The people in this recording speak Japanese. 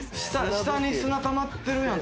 下に砂たまってるやん。